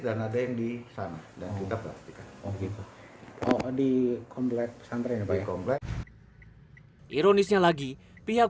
dan ada yang di sana dan kita praktika oh di kompleks santren kompleks ironisnya lagi pihak